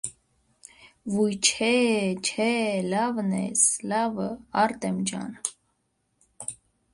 - Վո՜ւյ, չէ՜, չէ՜, լավն ես, լավը, Արտեմ ջան: